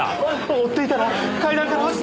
追っていたら階段から落ちて。